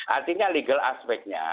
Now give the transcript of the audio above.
artinya legal aspeknya